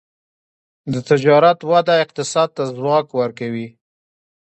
د تجارت وده اقتصاد ته ځواک ورکوي.